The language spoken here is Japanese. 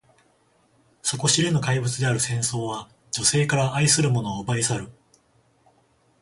底知れぬ怪物である戦争は、女性から愛する者を奪い去る。